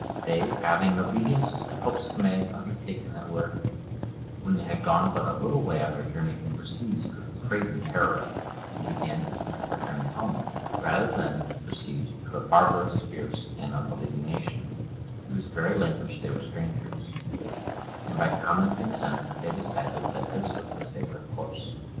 They having, in obedience to the pope's commands, undertaken that work, when they had gone but a little way on their journey, were seized with craven terror, and began to think of returning home, rather than proceed to a barbarous, fierce, and unbelieving nation, to whose very language they were strangers; and by common consent they decided that this was the safer course.